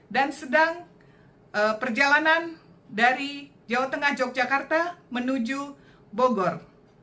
dan sedang perjalanan dari jawa tengah yogyakarta menuju bogor